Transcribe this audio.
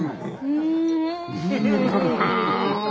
うん。